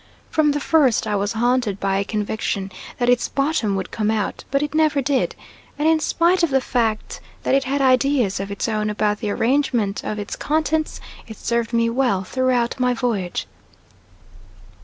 From the first I was haunted by a conviction that its bottom would come out, but it never did, and in spite of the fact that it had ideas of its own about the arrangement of its contents, it served me well throughout my voyage.